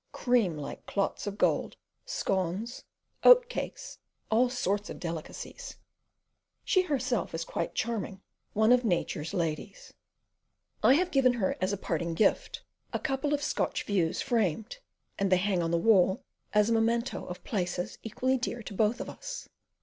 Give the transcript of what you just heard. cream like clots of gold, scones, oat cakes, all sorts of delicacies! She herself is quite charming one of Nature's ladies. I have given her, as a parting gift, a couple of Scotch views framed; and they hang on the wall as a memento of places equally dear to both of us.